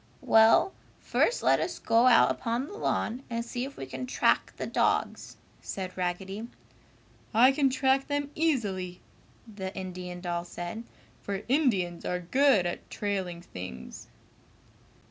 "Well, first let us go out upon the lawn and see if we can track the dogs!" said Raggedy. "I can track them easily!" the Indian doll said, "for Indians are good at trailing things!"